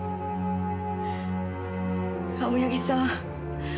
青柳さん